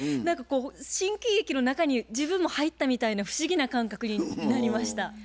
何かこう新喜劇の中に自分も入ったみたいな不思議な感覚になりました。